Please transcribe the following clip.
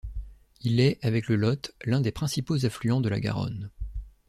Il est, avec le Lot, l'un des principaux affluents de la Garonne.